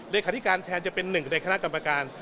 เลขาธิการแทนจะเป็นหนึ่งในคณะกรรมการ